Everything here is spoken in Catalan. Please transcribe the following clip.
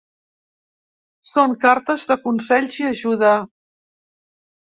Són cartes de consells i ajuda.